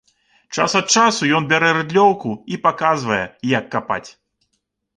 Час ад часу ён бярэ рыдлёўку і паказвае, як капаць.